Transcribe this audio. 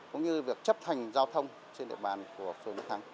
cũng như việc chấp thành giao thông trên địa bàn của phương đức thắng